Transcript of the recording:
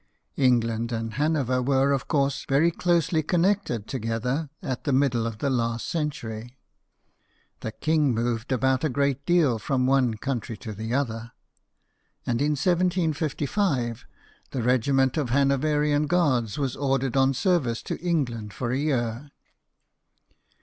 England and Hanover were, of course, very closely connected together at the middle of the last century. The king moved about a great deal from one country to the other ; and in 1 755 the regiment of Hanoverian Guards was ordered on service to England for a year.